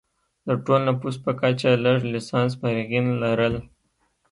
د ټول نفوس په کچه لږ لسانس فارغین لرل.